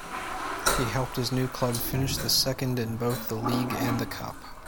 He helped his new club finish second in both the league and cup.